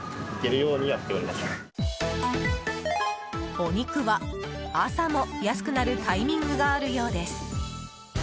お肉は朝も安くなるタイミングがあるようです。